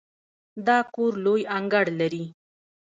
دا کور لوی انګړ لري.